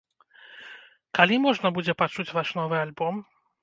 Калі можна будзе пачуць ваш новы альбом?